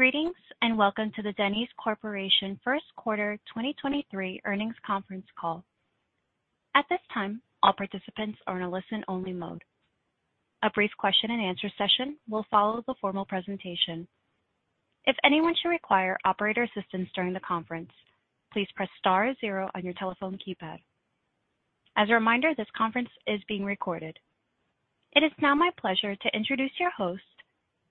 Greetings. Welcome to the Denny's Corporation First Quarter 2023 Earnings Conference Call. At this time, all participants are in a listen-only mode. A brief question-and-answer session will follow the formal presentation. If anyone should require operator assistance during the conference, please press star zero on your telephone keypad. As a reminder, this conference is being recorded. It is now my pleasure to introduce your host,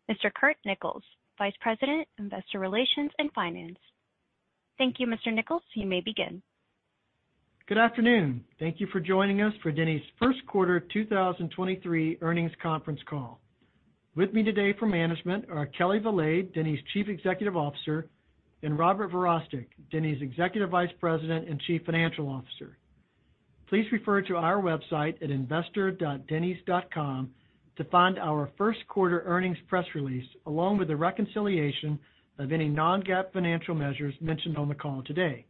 Mr. Curt Nichols, Vice President, Investor Relations and Finance. Thank you, Mr. Nichols. You may begin. Good afternoon. Thank you for joining us for Denny's First Quarter 2023 Earnings Conference Call. With me today for management are Kelli Valade, Denny's Chief Executive Officer, and Robert Verostek, Denny's Executive Vice President and Chief Financial Officer. Please refer to our website at investor.dennys.com to find our first quarter earnings press release, along with the reconciliation of any non-GAAP financial measures mentioned on the call today.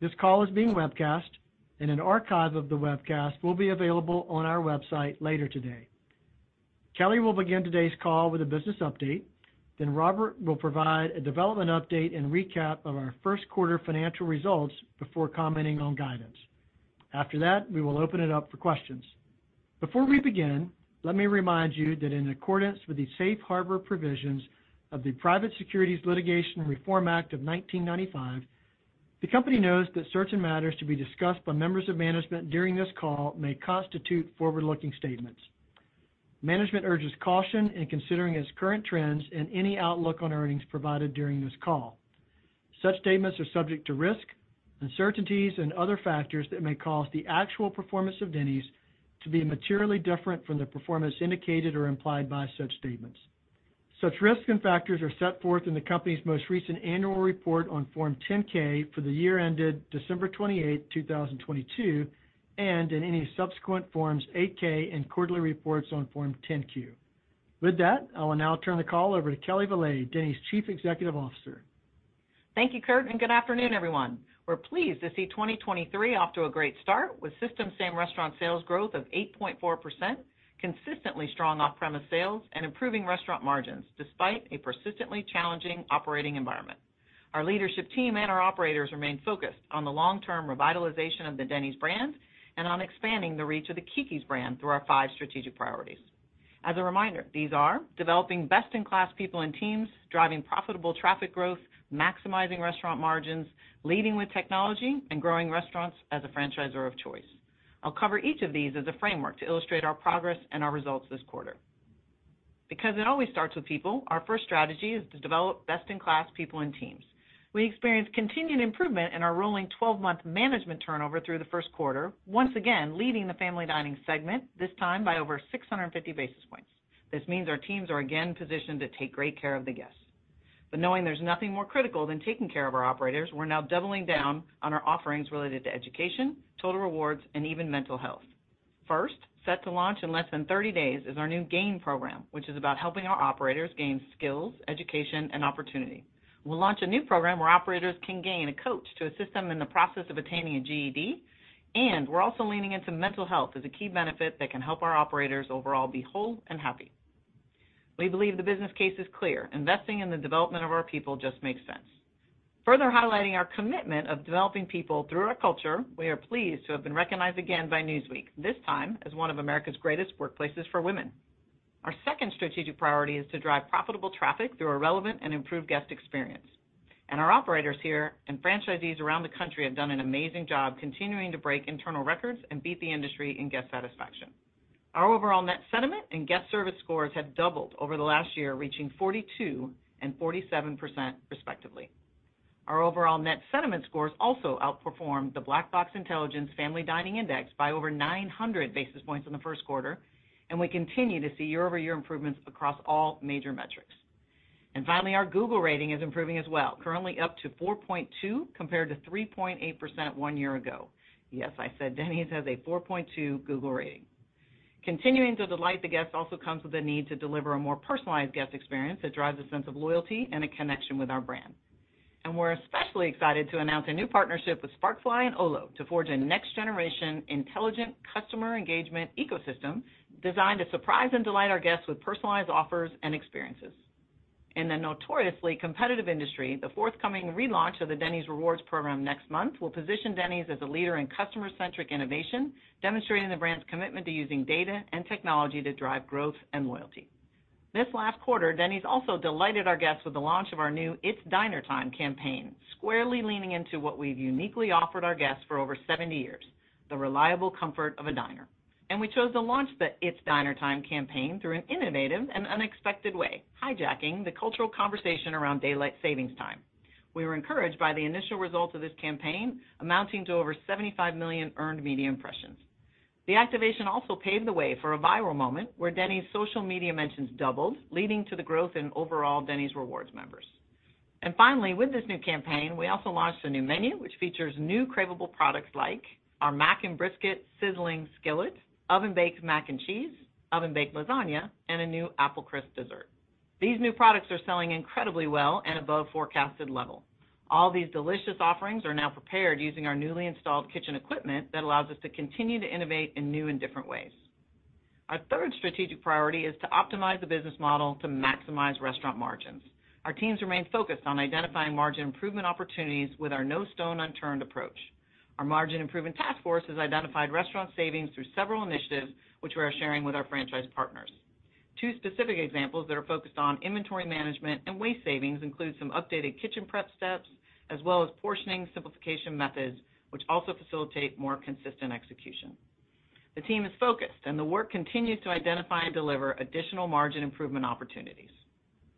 This call is being webcast. An archive of the webcast will be available on our website later today. Kelli will begin today's call with a business update. Robert will provide a development update and recap of our first quarter financial results before commenting on guidance. After that, we will open it up for questions. Before we begin, let me remind you that in accordance with the Safe Harbor provisions of the Private Securities Litigation Reform Act of 1995, the company knows that certain matters to be discussed by members of management during this call may constitute forward-looking statements. Management urges caution in considering its current trends and any outlook on earnings provided during this call. Such statements are subject to risk, uncertainties, and other factors that may cause the actual performance of Denny's to be materially different from the performance indicated or implied by such statements. Such risks and factors are set forth in the company's most recent annual report on Form 10-K for the year ended December 28, 2022, and in any subsequent Forms 8-K and quarterly reports on Form 10-Q. With that, I will now turn the call over to Kelli Valade, Denny's Chief Executive Officer. Thank you, Curt, and good afternoon, everyone. We're pleased to see 2023 off to a great start with system same-restaurant sales growth of 8.4%, consistently strong off-premise sales, and improving restaurant margins despite a persistently challenging operating environment. Our leadership team and our operators remain focused on the long-term revitalization of the Denny's brand and on expanding the reach of the Keke's brand through our five strategic priorities. As a reminder, these are developing best-in-class people and teams, driving profitable traffic growth, maximizing restaurant margins, leading with technology, and growing restaurants as a franchisor of choice. I'll cover each of these as a framework to illustrate our progress and our results this quarter. Because it always starts with people, our first strategy is to develop best-in-class people and teams. We experienced continued improvement in our rolling 12-month management turnover through the first quarter, once again leading the Family Dining segment, this time by over 650 basis points. This means our teams are again positioned to take great care of the guests. Knowing there's nothing more critical than taking care of our operators, we're now doubling down on our offerings related to education, total rewards, and even mental health. First, set to launch in less than 30 days is our new GAIN program, which is about helping our operators gain skills, education, and opportunity. We'll launch a new program where operators can gain a coach to assist them in the process of attaining a GED, and we're also leaning into mental health as a key benefit that can help our operators overall be whole and happy. We believe the business case is clear. Investing in the development of our people just makes sense. Further highlighting our commitment of developing people through our culture, we are pleased to have been recognized again by Newsweek, this time as one of America's greatest workplaces for women. Our second strategic priority is to drive profitable traffic through a relevant and improved guest experience. Our operators here and franchisees around the country have done an amazing job continuing to break internal records and beat the industry in guest satisfaction. Our overall net sentiment and guest service scores have doubled over the last year, reaching 42% and 47%, respectively. Our overall net sentiment scores also outperformed the Black Box Intelligence Family Dining Index by over 900 basis points in the first quarter, and we continue to see year-over-year improvements across all major metrics. Finally, our Google rating is improving as well, currently up to 4.2, compared to 3.8% one year ago. Yes, I said Denny's has a 4.2 Google rating. Continuing to delight the guests also comes with a need to deliver a more personalized guest experience that drives a sense of loyalty and a connection with our brand. We're especially excited to announce a new partnership with Sparkfly and Olo to forge a next-generation intelligent customer engagement ecosystem designed to surprise and delight our guests with personalized offers and experiences. In a notoriously competitive industry, the forthcoming relaunch of the Denny's Rewards program next month will position Denny's as a leader in customer-centric innovation, demonstrating the brand's commitment to using data and technology to drive growth and loyalty. This last quarter, Denny's also delighted our guests with the launch of our new It's Diner Time campaign, squarely leaning into what we've uniquely offered our guests for over 70 years, the reliable comfort of a diner. We chose to launch the It's Diner Time campaign through an innovative and unexpected way, hijacking the cultural conversation around daylight savings time. We were encouraged by the initial results of this campaign, amounting to over 75 million earned media impressions. The activation also paved the way for a viral moment where Denny's social media mentions doubled, leading to the growth in overall Denny's Rewards members. Finally, with this new campaign, we also launched a new menu, which features new cravable products like our Mac 'N Brisket Sizzlin' Skillet, Oven-Baked Mac N' Cheese, Oven-Baked Lasagna, and a new apple crisp dessert. These new products are selling incredibly well and above forecasted level. All these delicious offerings are now prepared using our newly installed kitchen equipment that allows us to continue to innovate in new and different ways. Our third strategic priority is to optimize the business model to maximize restaurant margins. Our teams remain focused on identifying margin improvement opportunities with our no stone unturned approach. Our margin improvement task force has identified restaurant savings through several initiatives, which we are sharing with our franchise partners. Two specific examples that are focused on inventory management and waste savings include some updated kitchen prep steps, as well as portioning simplification methods, which also facilitate more consistent execution. The team is focused, and the work continues to identify and deliver additional margin improvement opportunities.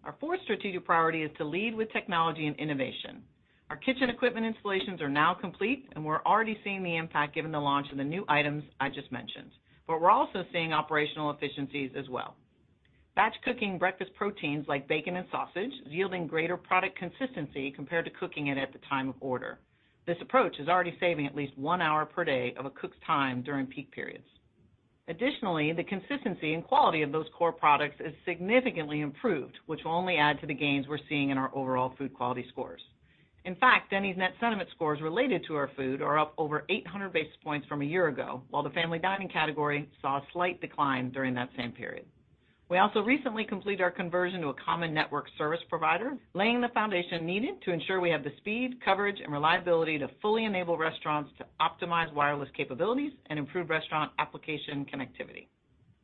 Our fourth strategic priority is to lead with technology and innovation. Our kitchen equipment installations are now complete, and we're already seeing the impact given the launch of the new items I just mentioned. We're also seeing operational efficiencies as well. Batch cooking breakfast proteins like bacon and sausage is yielding greater product consistency compared to cooking it at the time of order. This approach is already saving at least one hour per day of a cook's time during peak periods. Additionally, the consistency and quality of those core products is significantly improved, which will only add to the gains we're seeing in our overall food quality scores. In fact, Denny's net sentiment scores related to our food are up over 800 basis points from a year ago, while the family dining category saw a slight decline during that same period. We also recently completed our conversion to a common network service provider, laying the foundation needed to ensure we have the speed, coverage, and reliability to fully enable restaurants to optimize wireless capabilities and improve restaurant application connectivity.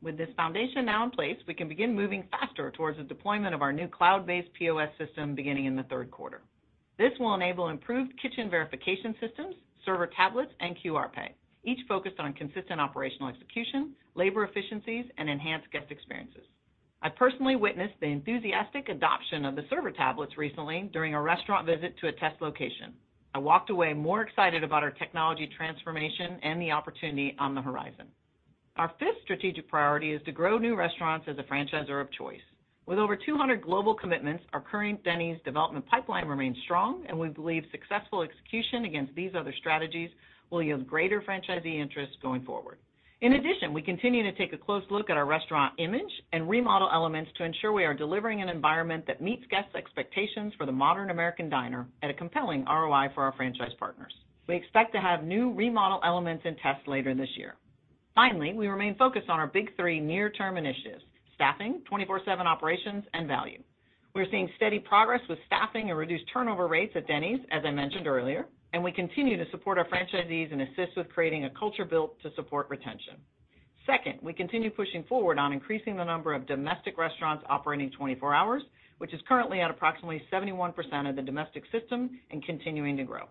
With this foundation now in place, we can begin moving faster towards the deployment of our new cloud-based POS system beginning in the third quarter. This will enable improved kitchen verification systems, server tablets, and QR pay, each focused on consistent operational execution, labor efficiencies, and enhanced guest experiences. I personally witnessed the enthusiastic adoption of the server tablets recently during a restaurant visit to a test location. I walked away more excited about our technology transformation and the opportunity on the horizon. Our fifth strategic priority is to grow new restaurants as a franchisor of choice. With over 200 global commitments, our current Denny's development pipeline remains strong, and we believe successful execution against these other strategies will yield greater franchisee interest going forward. In addition, we continue to take a close look at our restaurant image and remodel elements to ensure we are delivering an environment that meets guests' expectations for the modern American diner at a compelling ROI for our franchise partners. We expect to have new remodel elements in test later this year. Finally, we remain focused on our big three near-term initiatives, staffing, 24/7 operations, and value. We're seeing steady progress with staffing and reduced turnover rates at Denny's, as I mentioned earlier, and we continue to support our franchisees and assist with creating a culture built to support retention. Second, we continue pushing forward on increasing the number of domestic restaurants operating 24 hours, which is currently at approximately 71% of the domestic system and continuing to grow.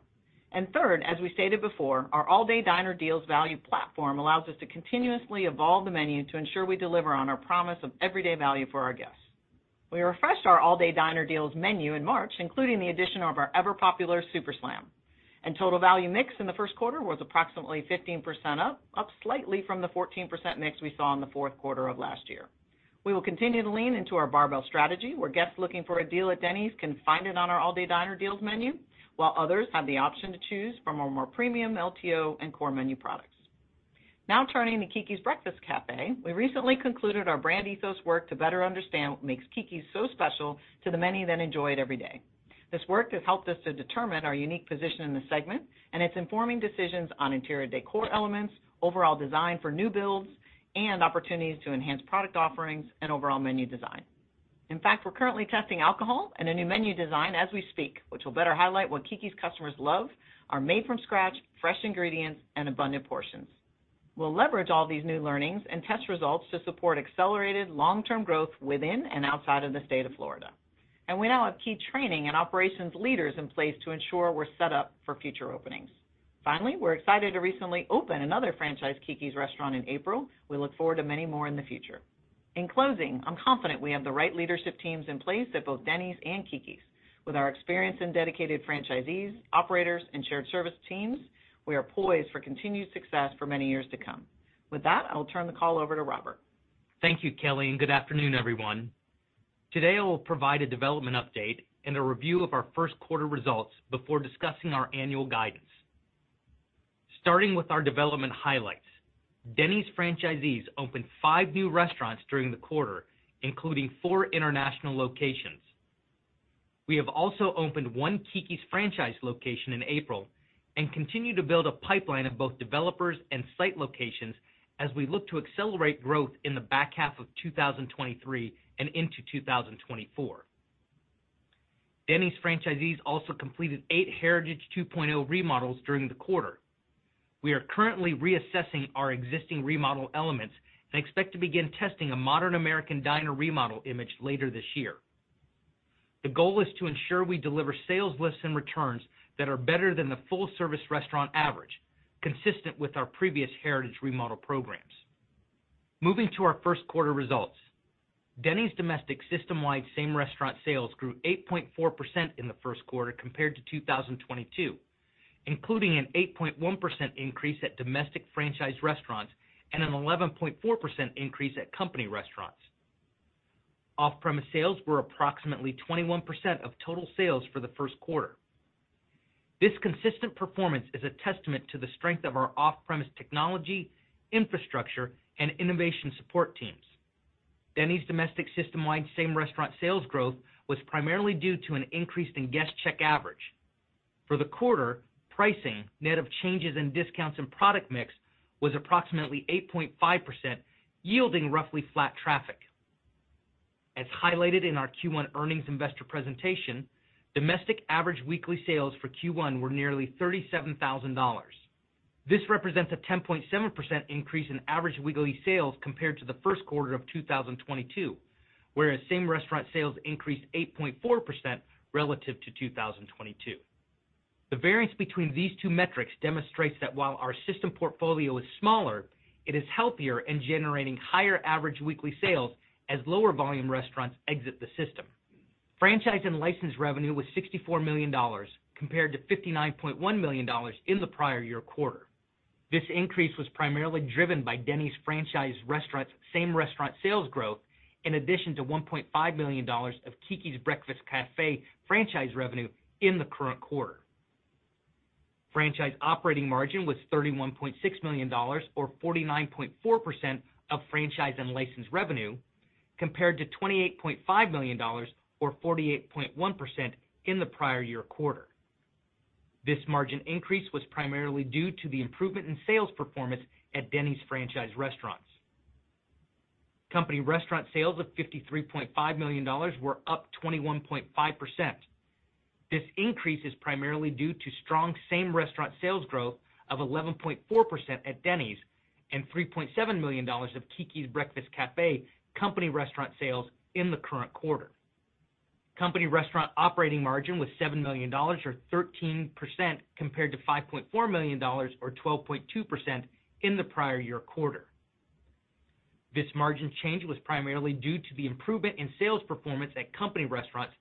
Third, as we stated before, our All Day Diner Deals value platform allows us to continuously evolve the menu to ensure we deliver on our promise of everyday value for our guests. We refreshed our All Day Diner Deals menu in March, including the addition of our ever-popular Super Slam. Total value mix in the first quarter was approximately 15% up slightly from the 14% mix we saw in the fourth quarter of last year. We will continue to lean into our barbell strategy, where guests looking for a deal at Denny's can find it on our All Day Diner Deals menu, while others have the option to choose from our more premium LTO and core menu products. Now turning to Keke's Breakfast Café, we recently concluded our brand ethos work to better understand what makes Keke's so special to the many that enjoy it every day. This work has helped us to determine our unique position in the segment, and it's informing decisions on interior decor elements, overall design for new builds, and opportunities to enhance product offerings and overall menu design. In fact, we're currently testing alcohol and a new menu design as we speak, which will better highlight what Keke's customers love, our made from scratch, fresh ingredients, and abundant portions. We'll leverage all these new learnings and test results to support accelerated long-term growth within and outside of the state of Florida. We now have key training and operations leaders in place to ensure we're set up for future openings. Finally, we're excited to recently open another franchise Keke's restaurant in April. We look forward to many more in the future. In closing, I'm confident we have the right leadership teams in place at both Denny's and Keke's. With our experienced and dedicated franchisees, operators, and shared service teams, we are poised for continued success for many years to come. With that, I'll turn the call over to Robert. Thank you, Kelli. Good afternoon, everyone. Today, I will provide a development update and a review of our first quarter results before discussing our annual guidance. Starting with our development highlights, Denny's franchisees opened five new restaurants during the quarter, including four international locations. We have also opened one Keke's franchise location in April and continue to build a pipeline of both developers and site locations as we look to accelerate growth in the back half of 2023 and into 2024. Denny's franchisees also completed eight Heritage 2.0 remodels during the quarter. We are currently reassessing our existing remodel elements and expect to begin testing a modern American diner remodel image later this year. The goal is to ensure we deliver sales lifts and returns that are better than the full-service restaurant average, consistent with our previous Heritage remodel programs. Moving to our first quarter results. Denny's domestic system-wide same-restaurant sales grew 8.4% in the first quarter compared to 2022, including an 8.1% increase at domestic franchise restaurants and an 11.4% increase at company restaurants. Off-premise sales were approximately 21% of total sales for the first quarter. This consistent performance is a testament to the strength of our off-premise technology, infrastructure, and innovation support teams. Denny's domestic system-wide same-restaurant sales growth was primarily due to an increase in guest check average. For the quarter, pricing, net of changes in discounts and product mix, was approximately 8.5%, yielding roughly flat traffic. As highlighted in our Q1 earnings investor presentation, domestic average weekly sales for Q1 were nearly $37,000. This represents a 10.7% increase in average weekly sales compared to the first quarter of 2022, whereas same-restaurant sales increased 8.4% relative to 2022. The variance between these two metrics demonstrates that while our system portfolio is smaller, it is healthier in generating higher average weekly sales as lower volume restaurants exit the system. Franchise and license revenue was $64 million compared to $59.1 million in the prior year quarter. This increase was primarily driven by Denny's franchise restaurants same restaurant sales growth in addition to $1.5 million of Keke's Breakfast Café franchise revenue in the current quarter. Franchise operating margin was $31.6 million or 49.4% of franchise and license revenue compared to $28.5 million or 48.1% in the prior year quarter. This margin increase was primarily due to the improvement in sales performance at Denny's franchise restaurants. Company restaurant sales of $53.5 million were up 21.5%. This increase is primarily due to strong same-restaurant sales growth of 11.4% at Denny's and $3.7 million of Keke's Breakfast Café company restaurant sales in the current quarter. Company restaurant operating margin was $7 million or 13% compared to $5.4 million or 12.2% in the prior year quarter. This margin change was primarily due to the improvement in sales performance at company restaurants,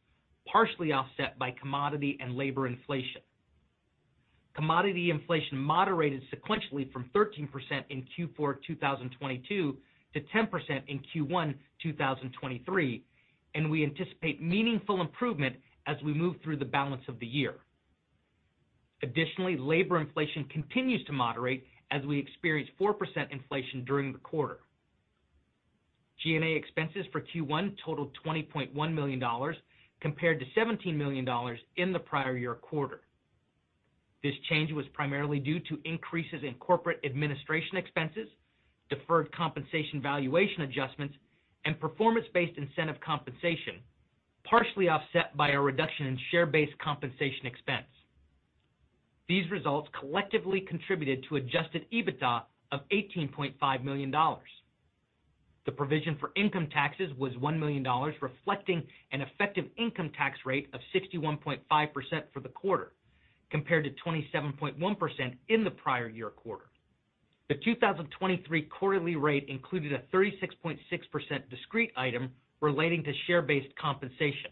partially offset by commodity and labor inflation. Commodity inflation moderated sequentially from 13% in Q4 2022 to 10% in Q1 2023. We anticipate meaningful improvement as we move through the balance of the year. Additionally, labor inflation continues to moderate as we experience 4% inflation during the quarter. G&A expenses for Q1 totaled $20.1 million compared to $17 million in the prior year quarter. This change was primarily due to increases in corporate administration expenses, deferred compensation valuation adjustments, and performance-based incentive compensation, partially offset by a reduction in share-based compensation expense. These results collectively contributed to adjusted EBITDA of $18.5 million. The provision for income taxes was $1 million, reflecting an effective income tax rate of 61.5% for the quarter, compared to 27.1% in the prior year quarter. The 2023 quarterly rate included a 36.6% discrete item relating to share-based compensation.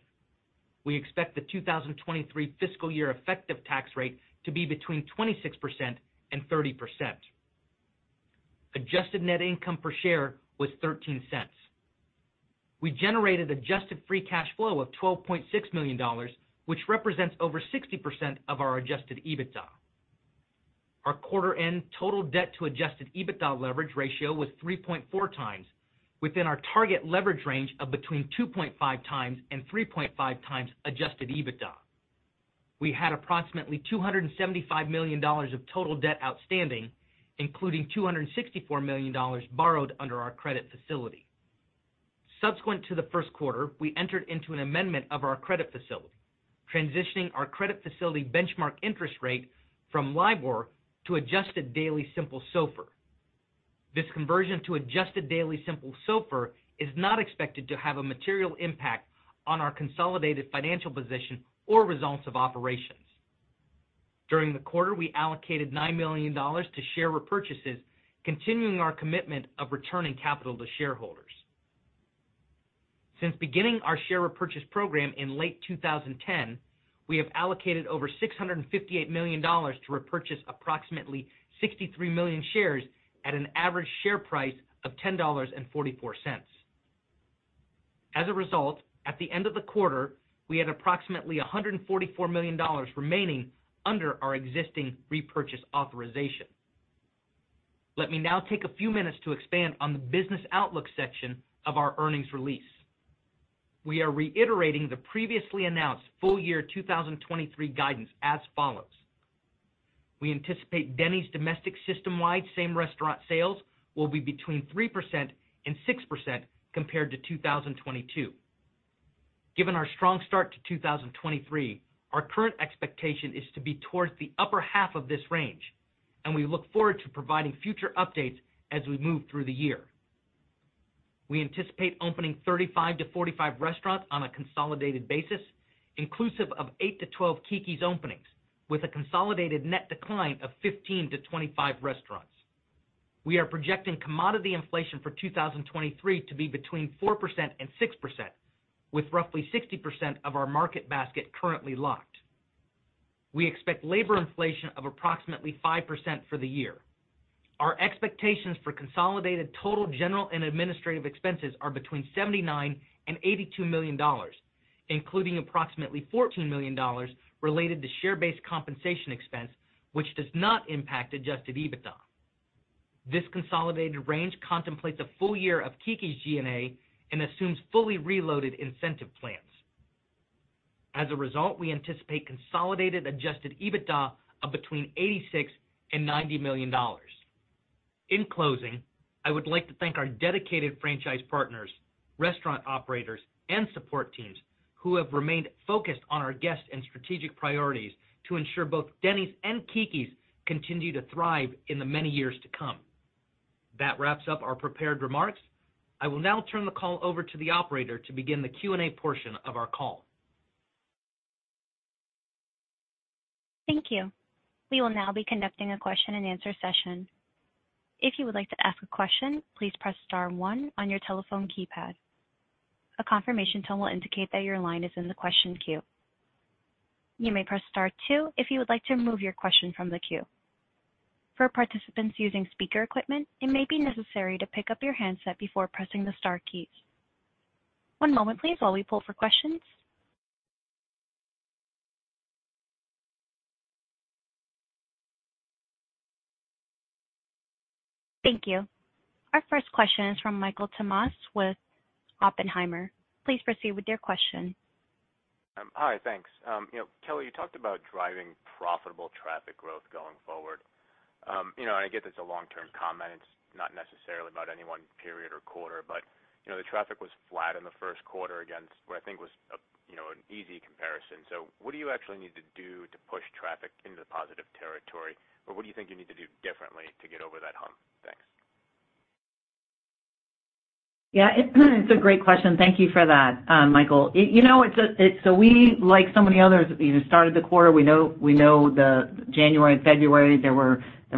We expect the 2023 fiscal year effective tax rate to be between 26% and 30%. Adjusted net income per share was $0.13. We generated adjusted free cash flow of $12.6 million, which represents over 60% of our adjusted EBITDA. Our quarter end total debt to adjusted EBITDA leverage ratio was 3.4x within our target leverage range of between 2.5x and 3.5x adjusted EBITDA. We had approximately $275 million of total debt outstanding, including $264 million borrowed under our credit facility. Subsequent to the first quarter, we entered into an amendment of our credit facility, transitioning our credit facility benchmark interest rate from LIBOR to Adjusted Daily Simple SOFR. This conversion to Adjusted Daily Simple SOFR is not expected to have a material impact on our consolidated financial position or results of operations. During the quarter, we allocated $9 million to share repurchases, continuing our commitment of returning capital to shareholders. Since beginning our share repurchase program in late 2010, we have allocated over $658 million to repurchase approximately 63 million shares at an average share price of $10.44. As a result, at the end of the quarter, we had approximately $144 million remaining under our existing repurchase authorization. Let me now take a few minutes to expand on the business outlook section of our earnings release. We are reiterating the previously announced full year 2023 guidance as follows. We anticipate Denny's domestic system-wide same-restaurant sales will be between 3% and 6% compared to 2022. Given our strong start to 2023, our current expectation is to be towards the upper half of this range, and we look forward to providing future updates as we move through the year. We anticipate opening 35 to 45 restaurants on a consolidated basis, inclusive of eight to12 Keke's openings, with a consolidated net decline of 15 to 25 restaurants. We are projecting commodity inflation for 2023 to be between 4% and 6%, with roughly 60% of our market basket currently locked. We expect labor inflation of approximately 5% for the year. Our expectations for consolidated total general and administrative expenses are between $79 million and $82 million, including approximately $14 million related to share-based compensation expense which does not impact adjusted EBITDA. This consolidated range contemplates a full year of Keke's G&A and assumes fully reloaded incentive plans. We anticipate consolidated adjusted EBITDA of between $86 million and $90 million. In closing, I would like to thank our dedicated franchise partners, restaurant operators, and support teams who have remained focused on our guests and strategic priorities to ensure both Denny's and Keke's continue to thrive in the many years to come. That wraps up our prepared remarks. I will now turn the call over to the operator to begin the Q&A portion of our call. Thank you. We will now be conducting a question-and-answer session. If you would like to ask a question, please press star one on your telephone keypad. A confirmation tone will indicate that your line is in the question queue. You may press star two if you would like to remove your question from the queue. For participants using speaker equipment, it may be necessary to pick up your handset before pressing the star keys. One moment please, while we pull for questions. Thank you. Our first question is from Michael Tamas with Oppenheimer. Please proceed with your question. Hi. Thanks. You know, Kelli, you talked about driving profitable traffic growth going forward. You know, I get it's a long-term comment, it's not necessarily about any one period or quarter. You know, the traffic was flat in the first quarter against what I think was, you know, an easy comparison. What do you actually need to do to push traffic into the positive territory, or what do you think you need to do differently to get over that hump? Thanks. Yeah, it's a great question. Thank you for that, Michael. You know, it's so we, like so many others, you know, started the quarter. We know the January and February, there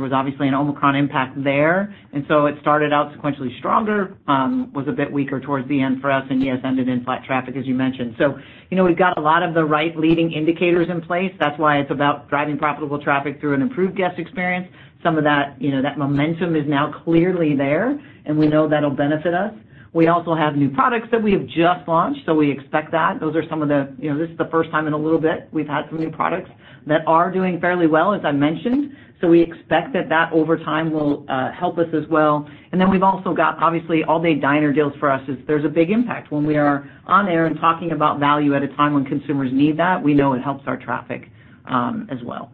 was obviously an Omicron impact there. It started out sequentially stronger, was a bit weaker towards the end for us, and yes, ended in flat traffic as you mentioned. You know, we've got a lot of the right leading indicators in place. That's why it's about driving profitable traffic through an improved guest experience. Some of that, you know, that momentum is now clearly there. We know that'll benefit us. We also have new products that we have just launched, so we expect that. Those are some of the, you know, this is the first time in a little bit we've had some new products that are doing fairly well as I mentioned. We expect that that over time will help us as well. We've also got, obviously, All Day Diner Deals for us is there's a big impact when we are on air and talking about value at a time when consumers need that. We know it helps our traffic as well.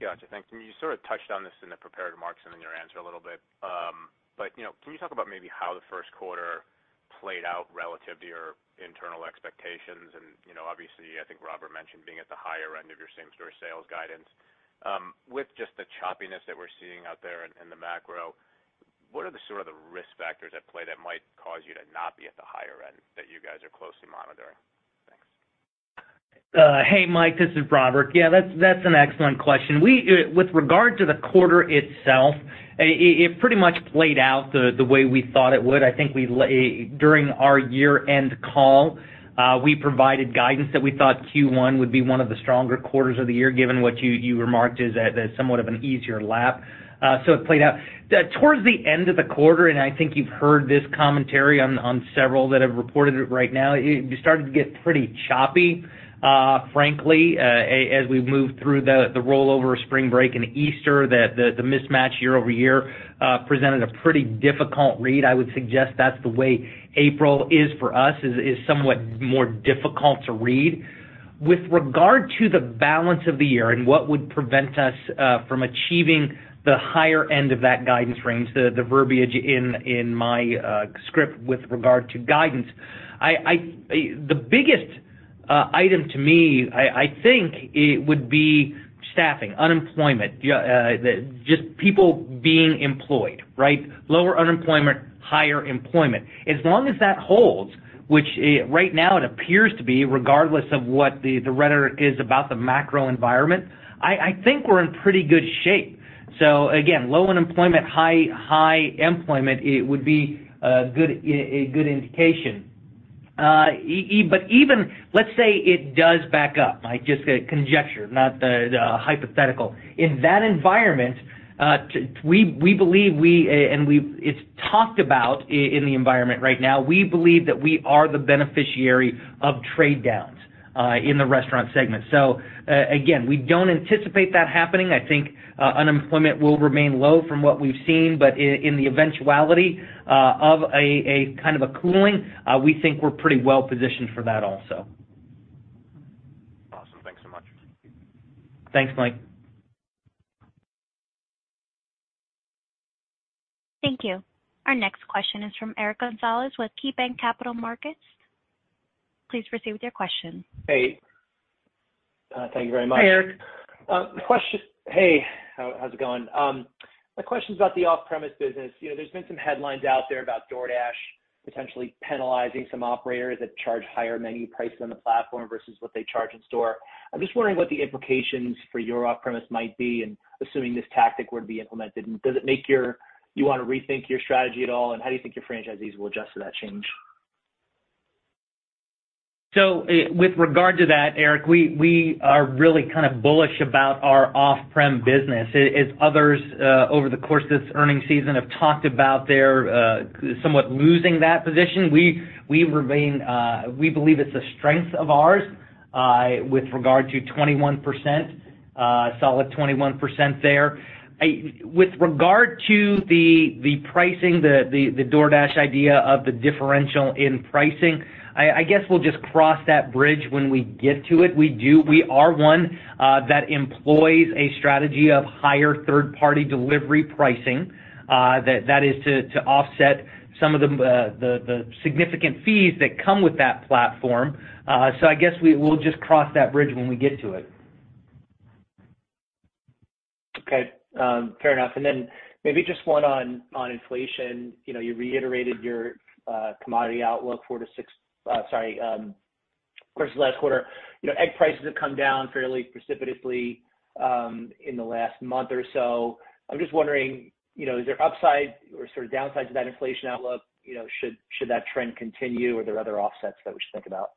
Gotcha. Thanks. Can you sort of touched on this in the prepared remarks and in your answer a little bit. You know, can you talk about maybe how the first quarter played out relative to your internal expectations? You know, obviously, I think Robert mentioned being at the higher end of your same-store sales guidance. With just the choppiness that we're seeing out there in the macro, what are the sort of the risk factors at play that might cause you to not be at the higher end that you guys are closely monitoring? Thanks. Hey, Mike. This is Robert. Yeah, that's an excellent question. With regard to the quarter itself, it pretty much played out the way we thought it would. I think During our year-end call, we provided guidance that we thought Q1 would be one of the stronger quarters of the year, given what you remarked is at somewhat of an easier lap. It played out. Towards the end of the quarter, and I think you've heard this commentary on several that have reported it right now, it started to get pretty choppy, frankly, as we moved through the rollover of spring break and Easter, the mismatch year-over-year, presented a pretty difficult read. I would suggest that's the way April is for us, is somewhat more difficult to read. With regard to the balance of the year and what would prevent us from achieving the higher end of that guidance range, the verbiage in my script with regard to guidance. The biggest item to me, I think it would be staffing, unemployment, just people being employed, right? Lower unemployment, higher employment. As long as that holds, which right now it appears to be, regardless of what the rhetoric is about the macro environment, I think we're in pretty good shape. Again, low unemployment, high employment, it would be a good indication. Even, let's say it does back up, like, just a conjecture, not the hypothetical. In that environment, we believe we, it's talked about in the environment right now. We believe that we are the beneficiary of trade downs in the restaurant segment. Again, we don't anticipate that happening. I think unemployment will remain low from what we've seen, but in the eventuality of a kind of a cooling, we think we're pretty well positioned for that also. Awesome. Thanks so much. Thanks, Mike. Thank you. Our next question is from Eric Gonzalez with KeyBanc Capital Markets. Please proceed with your question. Hey. Thank you very much. Hey, Eric. Hey, how's it going? My question is about the off-premise business. You know, there's been some headlines out there about DoorDash potentially penalizing some operators that charge higher menu prices on the platform versus what they charge in store. I'm just wondering what the implications for your off-premise might be and assuming this tactic were to be implemented. Does it make you want to rethink your strategy at all? How do you think your franchisees will adjust to that change? With regard to that, Eric, we are really kind of bullish about our off-prem business. As others, over the course of this earnings season have talked about their, somewhat losing that position, we remain. We believe it's a strength of ours with regard to 21%, solid 21% there. With regard to the pricing, the DoorDash idea of the differential in pricing, I guess we'll just cross that bridge when we get to it. We are one that employs a strategy of higher third-party delivery pricing, that is to offset some of the significant fees that come with that platform. I guess we'll just cross that bridge when we get to it. Okay. Fair enough. Then maybe just one on inflation. You know, you reiterated your commodity outlook four to six, of course last quarter. You know, egg prices have come down fairly precipitously in the last month or so. I'm just wondering, you know, is there upside or sort of downside to that inflation outlook? You know, should that trend continue, or are there other offsets that we should think about?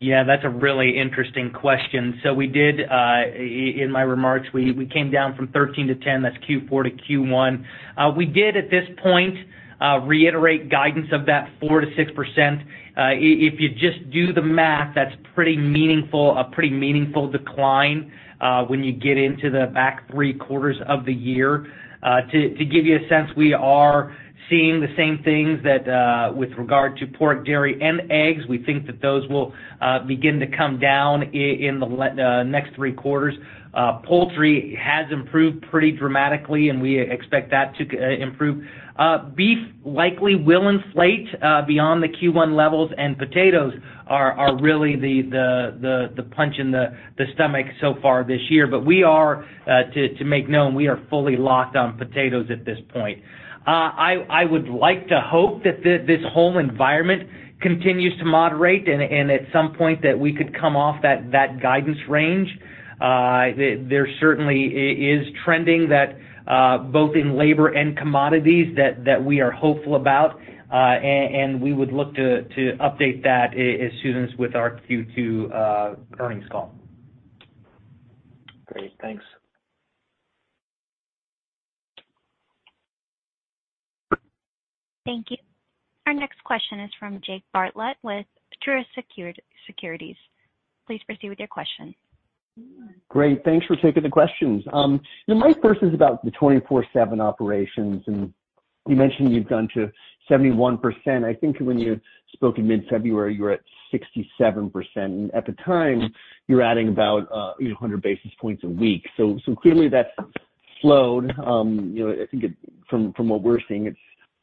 That's a really interesting question. We did in my remarks, we came down from 13% to 10%. That's Q4 to Q1. We did at this point, reiterate guidance of that 4%-6%. If you just do the math, that's pretty meaningful, a pretty meaningful decline, when you get into the back three quarters of the year. To give you a sense, we are seeing the same things that with regard to pork, dairy, and eggs. We think that those will begin to come down in the next three quarters. Poultry has improved pretty dramatically. We expect that to improve. Beef likely will inflate beyond the Q1 levels, and potatoes are really the punch in the stomach so far this year. We are, to make known, we are fully locked on potatoes at this point. I would like to hope that this whole environment continues to moderate and at some point that we could come off that guidance range. There certainly is trending that, both in labor and commodities that we are hopeful about, and we would look to update that as soon as with our Q2 earnings call. Great. Thanks. Thank you. Our next question is from Jake Bartlett with Truist Securities. Please proceed with your question. Great. Thanks for taking the questions. My first is about the 24/7 operations. You mentioned you've gone to 71%. I think when you spoke in mid-February, you were at 67%. At the time, you were adding about, you know, 100 basis points a week. So clearly that's slowed. You know, I think from what we're seeing, it's,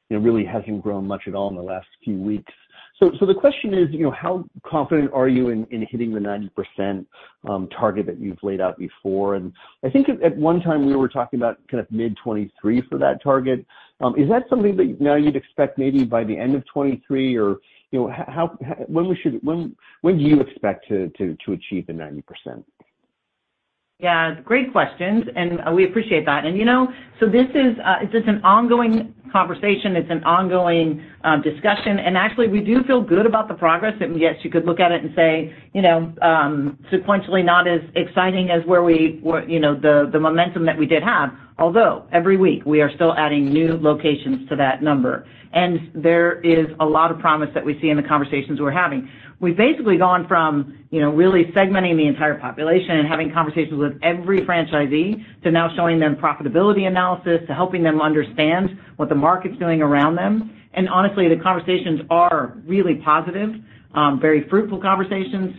you know, really hasn't grown much at all in the last few weeks. So the question is, you know, how confident are you in hitting the 90% target that you've laid out before? I think at one time, we were talking about kind of mid-2023 for that target. Is that something that now you'd expect maybe by the end of 2023? You know, when do you expect to achieve the 90%? Great questions, we appreciate that. You know, this is, it's just an ongoing conversation. It's an ongoing discussion. Actually, we do feel good about the progress. Yes, you could look at it and say, you know, sequentially not as exciting as where we, you know, the momentum that we did have. Although every week, we are still adding new locations to that number. There is a lot of promise that we see in the conversations we're having. We've basically gone from, you know, really segmenting the entire population and having conversations with every franchisee to now showing them profitability analysis, to helping them understand what the market's doing around them. Honestly, the conversations are really positive, very fruitful conversations.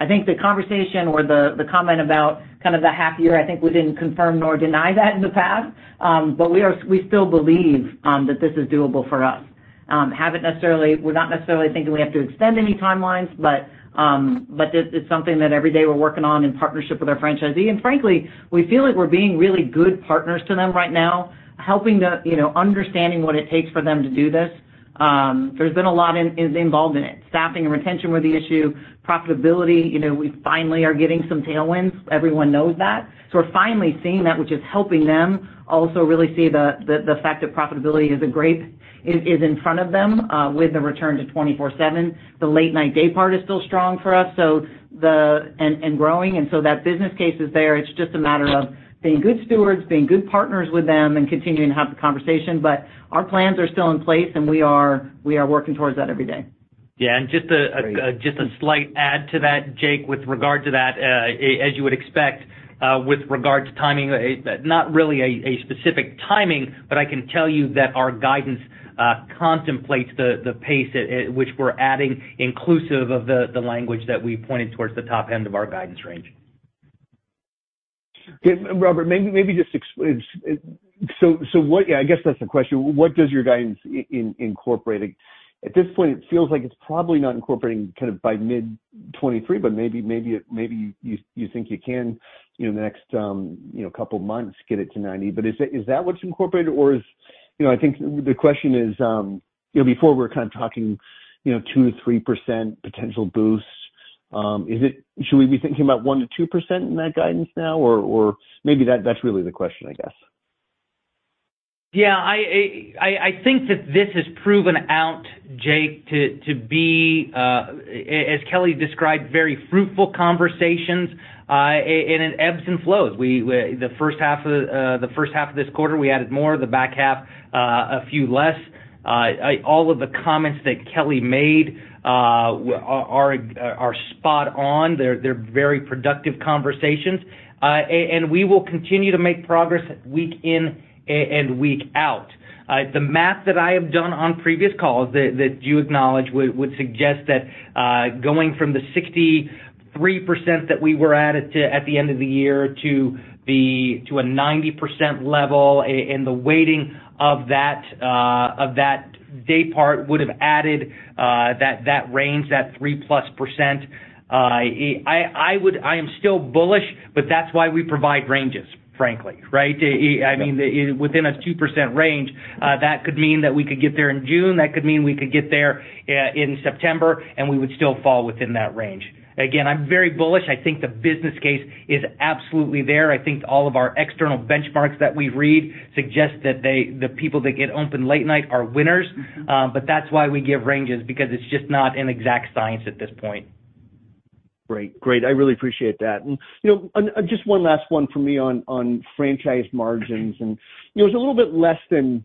I think the conversation or the comment about kind of the half year. I think we didn't confirm nor deny that in the past. But we still believe that this is doable for us. We're not necessarily thinking we have to extend any timelines, but this is something that every day we're working on in partnership with our franchisee. Frankly, we feel like we're being really good partners to them right now, helping them, you know, understanding what it takes for them to do this. There's been a lot is involved in it. Staffing and retention were the issue. Profitability, you know, we finally are getting some tailwinds. Everyone knows that. We're finally seeing that, which is helping them also really see the fact that profitability is in front of them with the return to 24/7. The late-night day part is still strong for us, and growing. That business case is there. It's just a matter of being good stewards, being good partners with them and continuing to have the conversation. Our plans are still in place, and we are working towards that every day. Yeah. Just a slight add to that, Jake, with regard to that, as you would expect, with regard to timing, not really a specific timing, but I can tell you that our guidance contemplates the pace at which we're adding inclusive of the language that we pointed towards the top end of our guidance range. Robert, maybe just what... I guess that's the question. What does your guidance incorporating? At this point, it feels like it's probably not incorporating kind of by mid-2023. But maybe it maybe you think you can in the next, you know, couple months get it to 90%. Is that what's incorporated? I think the question is, you know, before we were kind of talking, you know, 2%-3% potential boost. Should we be thinking about 1%-2% in that guidance now, or maybe that's really the question, I guess? Yeah, I think that this has proven out, Jake, to be as Kelli described, very fruitful conversations. It ebbs and flows. The first half of, the first half of this quarter, we added more the back half a few less. All of the comments that Kelli made are spot on. They're very productive conversations. We will continue to make progress week in and week out. The math that I have done on previous calls that you acknowledge would suggest that going from the 63% that we were at the end of the year to a 90% level and the weighting of that of that day part would have added that range, that 3%+. I am still bullish. But that's why we provide ranges, frankly, right? I mean, within a 2% range, that could mean that we could get there in June, that could mean we could get there in September, and we would still fall within that range. Again, I'm very bullish. I think the business case is absolutely there. I think all of our external benchmarks that we read suggest that they, the people that get open late night are winners. That's why we give ranges because it's just not an exact science at this point. Great. I really appreciate that. You know, just one last one for me on franchise margins. You know, it's a little bit less than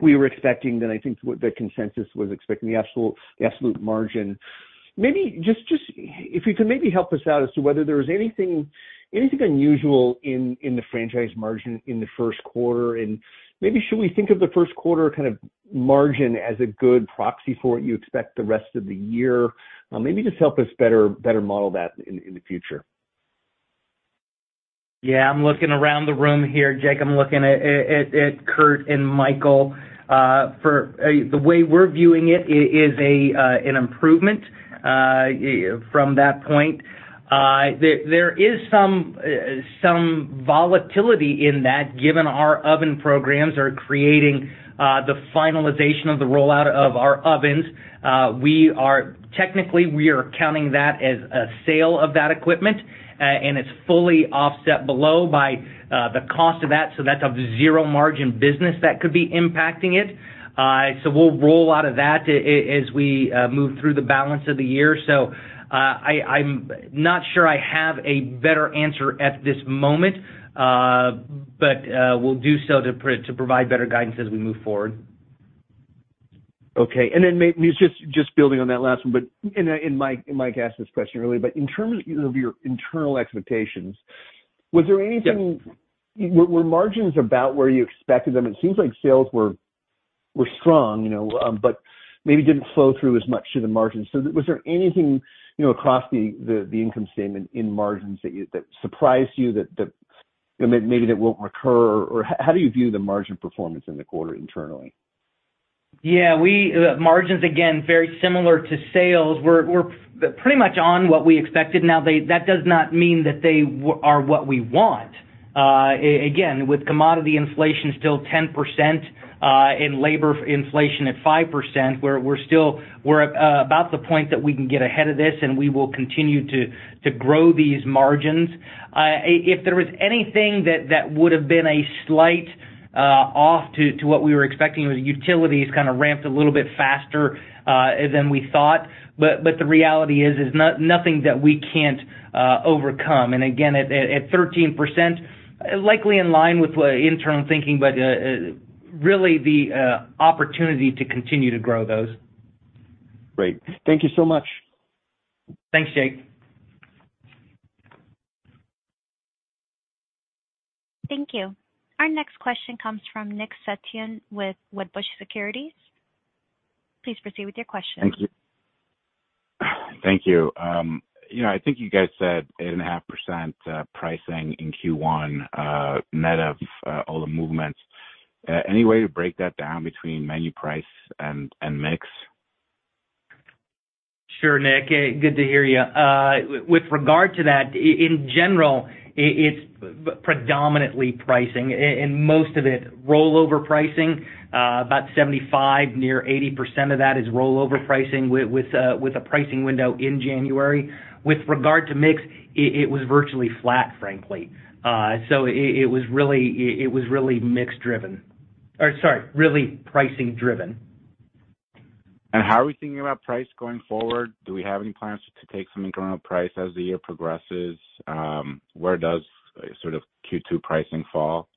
we were expecting than I think what the consensus was expecting the absolute margin. Maybe just if you could maybe help us out as to whether there was anything unusual in the franchise margin in the first quarter, and maybe should we think of the first quarter kind of margin as a good proxy for what you expect the rest of the year? Maybe just help us better model that in the future. I'm looking around the room here, Jake. I'm looking at Curt and Michael. For the way we're viewing it is a an improvement from that point. There is some volatility in that, given our oven programs are creating the finalization of the rollout of our ovens. We are technically, we are counting that as a sale of that equipment, and it's fully offset below by the cost of that, so that's a zero margin business that could be impacting it. We'll roll out of that as we move through the balance of the year. I'm not sure I have a better answer at this moment, but we'll do so to provide better guidance as we move forward. Okay. maybe just building on that last one, but Mike asked this question earlier, but in terms of your internal expectations, was there anything- Yes. Were margins about where you expected them? It seems like sales were strong, you know, maybe didn't flow through as much to the margins. Was there anything, you know, across the income statement in margins that surprised you that, you know, maybe that won't recur? How do you view the margin performance in the quarter internally? Margins, again, very similar to sales. We're pretty much on what we expected. That does not mean that they are what we want. Again, with commodity inflation still 10%, and labor inflation at 5%, we're still about the point that we can get ahead of this, and we will continue to grow these margins. If there was anything that would have been a slight off to what we were expecting was utilities kind of ramped a little bit faster than we thought. The reality is nothing that we can't overcome. Again, at 13%, likely in line with what internal thinking, but really the opportunity to continue to grow those. Great. Thank you so much. Thanks, Jake. Thank you. Our next question comes from Nick Setyan with Wedbush Securities. Please proceed with your question. Thank you. Thank you. You know, I think you guys said 8.5% pricing in Q1 net of all the movements. Any way to break that down between menu price and mix? Sure, Nick. Good to hear you. With regard to that, in general, it's predominantly pricing, and most of it rollover pricing. About 75%, near 80% of that is rollover pricing with a pricing window in January. With regard to mix, it was virtually flat, frankly. It was really mix driven. Sorry, really pricing driven. How are we thinking about price going forward? Do we have any plans to take some incremental price as the year progresses? Where does sort of Q2 pricing fall?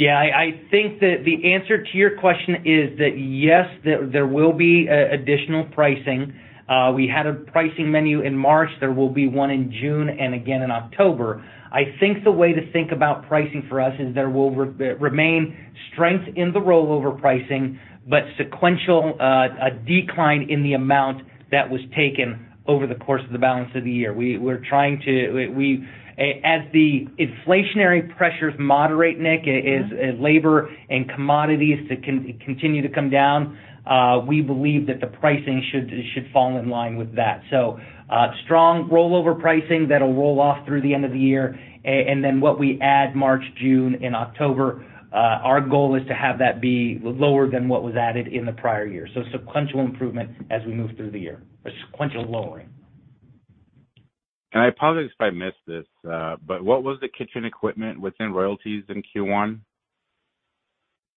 I think that the answer to your question is that yes, there will be additional pricing. We had a pricing menu in March. There will be one in June and again in October. I think the way to think about pricing for us is there will remain strength in the rollover pricing, but sequential decline in the amount that was taken over the course of the balance of the year. We're trying to. As the inflationary pressures moderate, Nick, as labor and commodities continue to come down, we believe that the pricing should fall in line with that. Strong rollover pricing that'll roll off through the end of the year. Then what we add March, June, and October, our goal is to have that be lower than what was added in the prior year. Sequential improvement as we move through the year, or sequential lowering. I apologize if I missed this, but what was the kitchen equipment within royalties in Q1?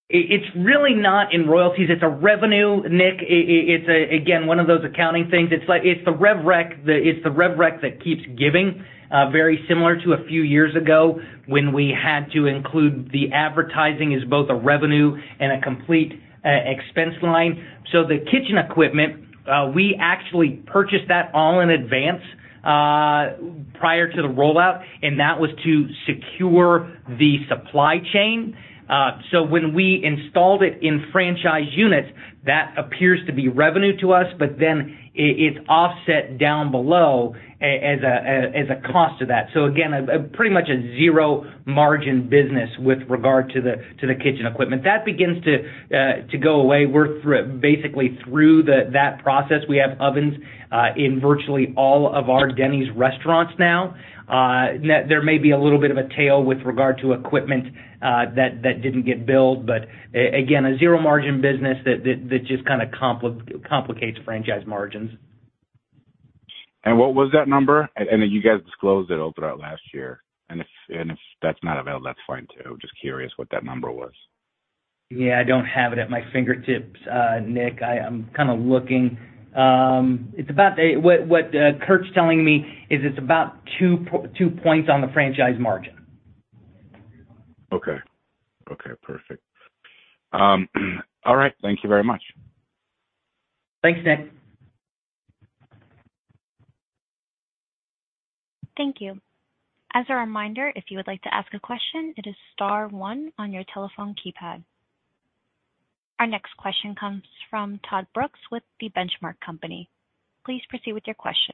It's really not in royalties, it's a revenue, Nick. It's again, one of those accounting things. It's like, it's the rev rec that keeps giving, very similar to a few years ago when we had to include the advertising as both a revenue and a complete expense line. The kitchen equipment, we actually purchased that all in advance, prior to the rollout, and that was to secure the supply chain. When we installed it in franchise units, that appears to be revenue to us, it's offset down below as a cost of that. Again, a pretty much a zero margin business with regard to the kitchen equipment. That begins to go away. We're basically through that process. We have ovens in virtually all of our Denny's restaurants now. There may be a little bit of a tail with regard to equipment that didn't get billed, again, a zero margin business that just kind of complicates franchise margins. What was that number? You guys disclosed it open up last year. If that's not available, that's fine too. Just curious what that number was. Yeah. I don't have it at my fingertips, Nick. I'm kind of looking. What Curt's telling me is it's about two points on the franchise margin. Okay, perfect. All right. Thank you very much. Thanks, Nick. Thank you. As a reminder, if you would like to ask a question, it is star one on your telephone keypad. Our next question comes from Todd Brooks with The Benchmark Company. Please proceed with your question.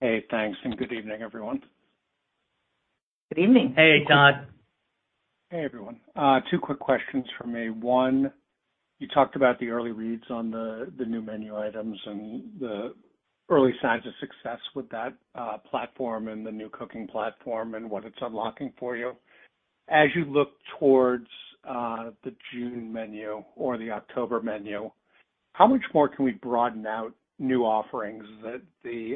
Hey, thanks. Good evening, everyone. Good evening. Hey, Todd. Hey, everyone. Two quick questions from me. One, you talked about the early reads on the new menu items and the early signs of success with that platform and the new cooking platform and what it's unlocking for you. As you look towards the June menu or the October menu, how much more can we broaden out new offerings that the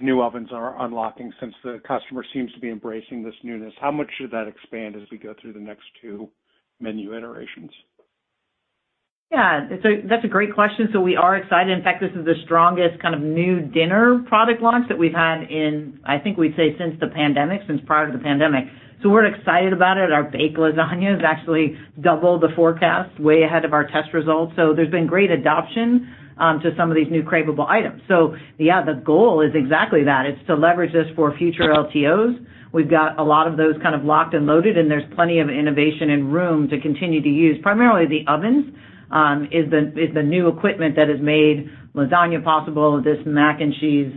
new ovens are unlocking since the customer seems to be embracing this newness? How much should that expand as we go through the next two menu iterations? Yeah. That's a great question. We are excited. In fact, this is the strongest kind of new dinner product launch that we've had in, I think we'd say since the pandemic, since prior to the pandemic. We're excited about it. Our Baked Lasagna has actually doubled the forecast way ahead of our test results. There's been great adoption to some of these new cravable items. The goal is exactly that. It's to leverage this for future LTOs. We've got a lot of those kind of locked and loaded, and there's plenty of innovation and room to continue to use. Primarily the ovens is the new equipment that has made Lasagna possible, this Mac N' Cheese,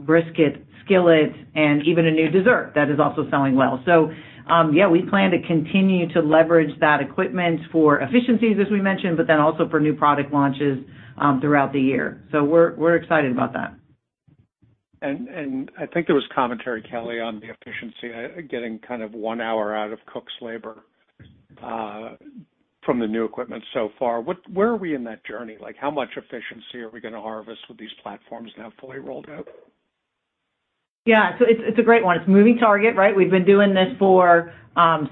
brisket skillet, and even a new dessert that is also selling well. Yeah, we plan to continue to leverage that equipment for efficiencies, as we mentioned. But then also for new product launches, throughout the year. We're excited about that. I think there was commentary, Kelli, on the efficiency getting kind of one hour out of cook's labor from the new equipment so far. Where are we in that journey? Like, how much efficiency are we gonna harvest with these platforms now fully rolled out? It's a great one. It's a moving target, right? We've been doing this for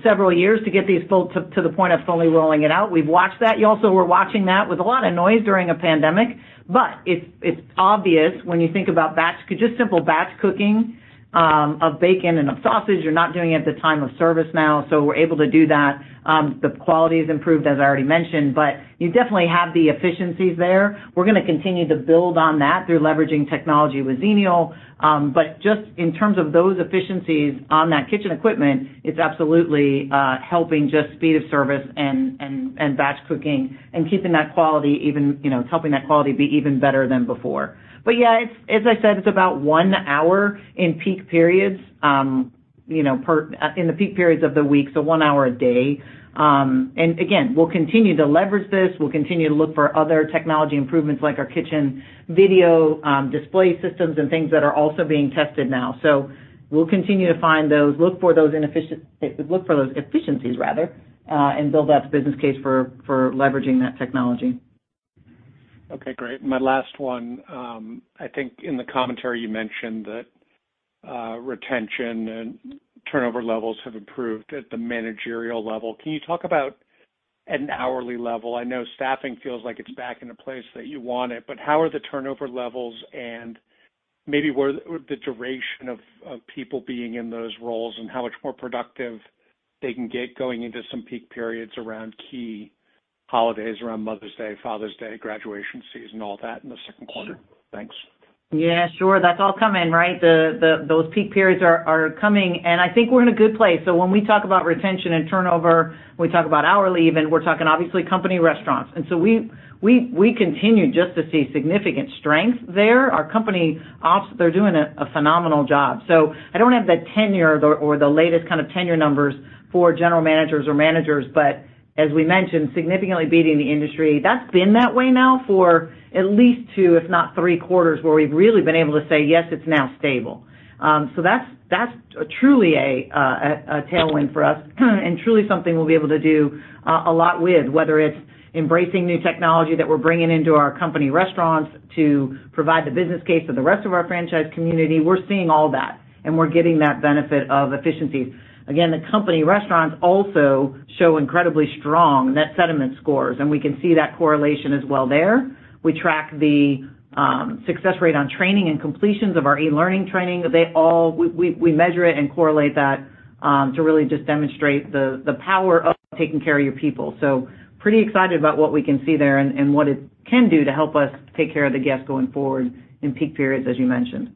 several years to get these to the point of fully rolling it out. We've watched that. You also were watching that with a lot of noise during a pandemic. It's obvious when you think about batch, just simple batch cooking of bacon and of sausage, you're not doing it at the time of service now, so we're able to do that. The quality has improved, as I already mentioned. You definitely have the efficiencies there. We're gonna continue to build on that through leveraging technology with Xenial. Just in terms of those efficiencies on that kitchen equipment, it's absolutely helping just speed of service and batch cooking and keeping that quality even, you know, it's helping that quality be even better than before. Yeah, it's as I said, it's about one hour in peak periods, you know, in the peak periods of the week. So one hour a day. And again, we'll continue to leverage this. We'll continue to look for other technology improvements like our kitchen video display systems and things that are also being tested now. We'll continue to find those, look for those efficiencies rather, and build that business case for leveraging that technology. Great. My last one, I think in the commentary you mentioned that retention and turnover levels have improved at the managerial level. Can you talk about at an hourly level? I know staffing feels like it's back in a place that you want it, but how are the turnover levels and maybe where the duration of people being in those roles and how much more productive they can get going into some peak periods around key holidays, around Mother's Day, Father's Day, graduation season, all that in the second quarter? Thanks. Yeah, sure. That's all coming, right? The those peak periods are coming, I think we're in a good place. When we talk about retention and turnover, we talk about hour leave. We're talking obviously company restaurants. We continue just to see significant strength there. Our company ops, they're doing a phenomenal job. I don't have the tenure or the latest kind of tenure numbers for general managers or managers. As we mentioned, significantly beating the industry. That's been that way now for at least two, if not three quarters, where we've really been able to say, "Yes, it's now stable." That's truly a tailwind for us and truly something we'll be able to do a lot with, whether it's embracing new technology that we're bringing into our company restaurants to provide the business case for the rest of our franchise community. We're seeing all that, and we're getting that benefit of efficiencies. The company restaurants also show incredibly strong net sentiment scores, and we can see that correlation as well there. We track the success rate on training and completions of our e-learning training. We measure it and correlate that to really just demonstrate the power of taking care of your people. Pretty excited about what we can see there and what it can do to help us take care of the guests going forward in peak periods, as you mentioned.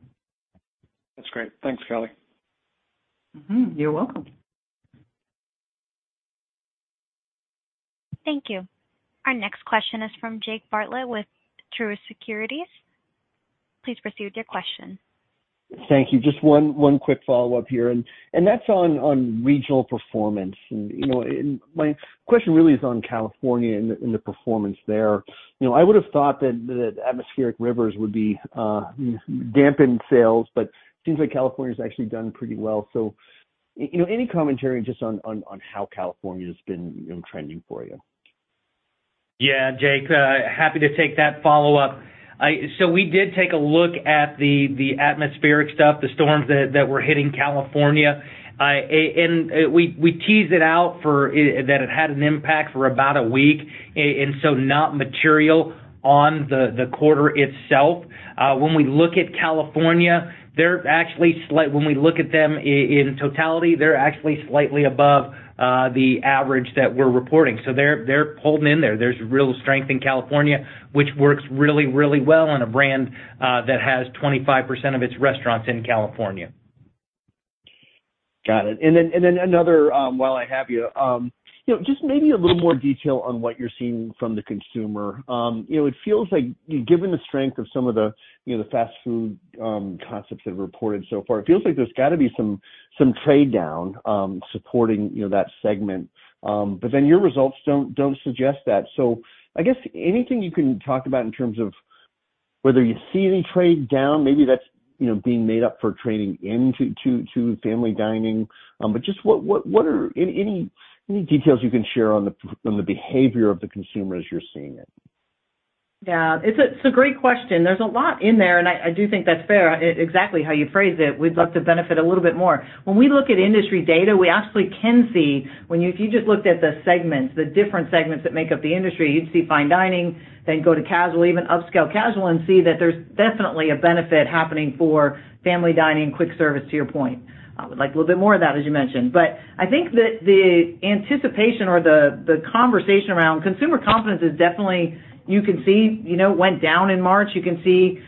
That's great. Thanks, Kelli. Mm-hmm. You're welcome. Thank you. Our next question is from Jake Bartlett with Truist Securities. Please proceed with your question. Thank you. Just one quick follow-up here, and that's on regional performance. You know, my question really is on California and the performance there. You know, I would have thought that the atmospheric rivers would be dampen sales, it seems like California's actually done pretty well. You know, any commentary just on how California's been, you know, trending for you? Yeah, Jake, happy to take that follow-up. We did take a look at the atmospheric stuff, the storms that were hitting California. We teased it out for that it had an impact for about a week. Not material on the quarter itself. When we look at California, they're actually slightly above the average that we're reporting. They're holding in there. There's real strength in California, which works really, really well on a brand that has 25% of its restaurants in California. Got it. Then another, while I have you know, just maybe a little more detail on what you're seeing from the consumer. You know, it feels like given the strength of some of the, you know, the fast food, concepts that have reported so far, it feels like there's gotta be some trade-down, supporting, you know, that segment. Your results don't suggest that. I guess anything you can talk about in terms of whether you see any trade down, maybe that's, you know, being made up for trading into family dining. Just what are any details you can share on the, on the behavior of the consumer as you're seeing it? Yeah. It's a, it's a great question. There's a lot in there, I do think that's fair, exactly how you phrased it. We'd love to benefit a little bit more. When we look at industry data, we actually can see when if you just looked at the segments, the different segments that make up the industry, you'd see fine dining, then go to casual, even upscale casual, and see that there's definitely a benefit happening for family dining quick service, to your point. I would like a little bit more of that, as you mentioned. I think that the anticipation or the conversation around consumer confidence is definitely, you can see, you know, went down in March. You can see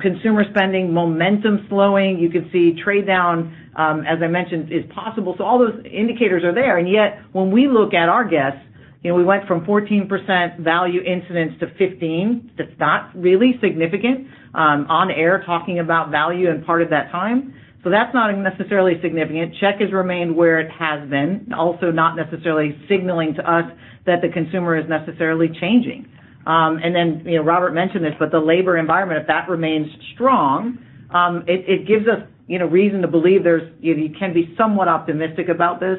consumer spending momentum slowing. You can see trade-down, as I mentioned, is possible. All those indicators are there. Yet, when we look at our guests, you know, we went from 14% value incidents to 15%. That's not really significant, on air talking about value and part of that time. That's not necessarily significant. Check has remained where it has been, also not necessarily signaling to us that the consumer is necessarily changing. Then, you know, Robert mentioned this, the labor environment, if that remains strong. It gives us, you know, reason to believe there's you can be somewhat optimistic about this,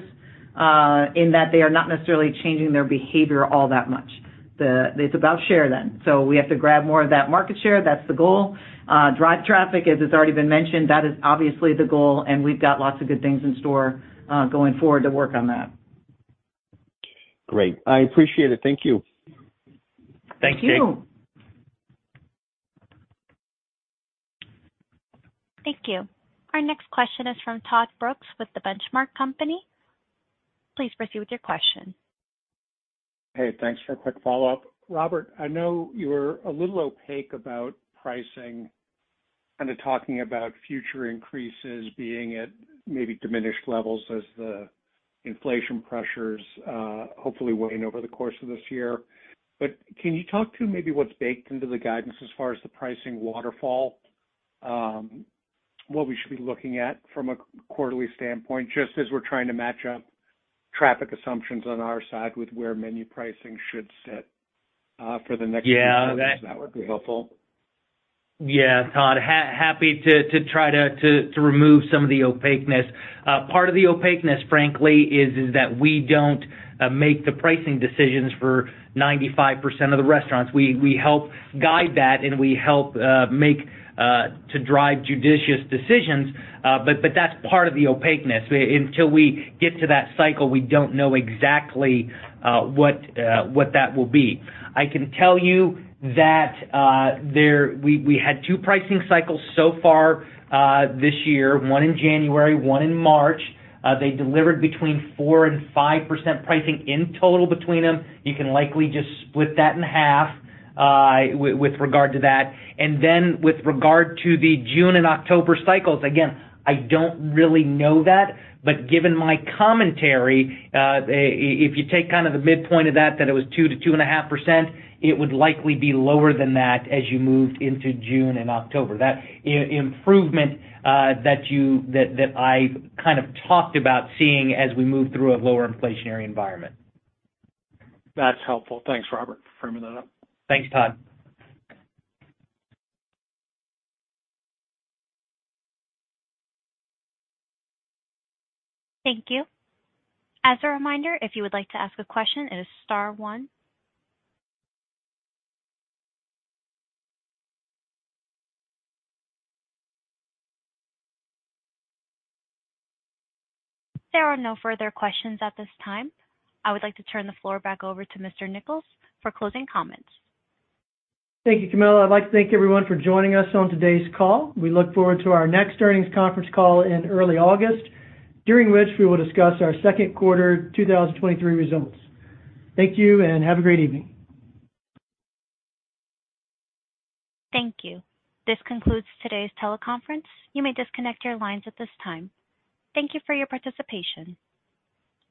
in that they are not necessarily changing their behavior all that much. It's about share then. We have to grab more of that market share. That's the goal. Drive traffic, as it's already been mentioned. That is obviously the goal, and we've got lots of good things in store, going forward to work on that. Great. I appreciate it. Thank you. Thanks, Jake. Thank you. Thank you. Our next question is from Todd Brooks with The Benchmark Company. Please proceed with your question. Hey. Thanks for a quick follow-up. Robert, I know you're a little opaque about pricing, kind of talking about future increases being at maybe diminished levels as the inflation pressures, hopefully wane over the course of this year. Can you talk to maybe what's baked into the guidance as far as the pricing waterfall, what we should be looking at from a quarterly standpoint, just as we're trying to match up traffic assumptions on our side with where menu pricing should sit for the next few quarters? Yeah. That would be helpful. Todd, happy to try to remove some of the opaqueness. Part of the opaqueness, frankly, is that we don't make the pricing decisions for 95% of the restaurants. We help guide that, and we help make to drive judicious decisions. That's part of the opaqueness. Until we get to that cycle, we don't know exactly what that will be. I can tell you that we had two pricing cycles so far this year, one in January, one in March. They delivered between 4% and 5% pricing in total between them. You can likely just split that in half with regard to that. With regard to the June and October cycles, again, I don't really know that. But given my commentary, if you take kind of the midpoint of that, it was 2%-2.5%, it would likely be lower than that as you moved into June and October. That improvement that I've kind of talked about seeing as we move through a lower inflationary environment. That's helpful. Thanks, Robert, for framing that up. Thanks, Todd. Thank you. As a reminder, if you would like to ask a question, it is star one. There are no further questions at this time. I would like to turn the floor back over to Mr. Nichols for closing comments. Thank you, Camilla. I'd like to thank everyone for joining us on today's call. We look forward to our next earnings conference call in early August, during which we will discuss our second quarter 2023 results. Thank you. Have a great evening. Thank you. This concludes today's teleconference. You may disconnect your lines at this time. Thank you for your participation.